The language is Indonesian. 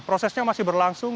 prosesnya masih berlangsung